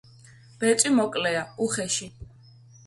ბეწვი მოკლეა, უხეში.